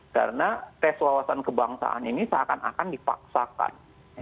karena tes wawasan kebangsaan ini seakan akan dipaksakan